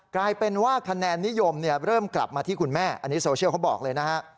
กลายเป็นว่าคะแนนนิยมเริ่มกลับมาที่คุณแม่อันนี้โซเชียลเขาบอกเลยนะฮะ